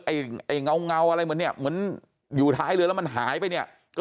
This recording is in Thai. ไอ้เงาอะไรเหมือนเนี่ยเหมือนอยู่ท้ายเรือแล้วมันหายไปเนี่ย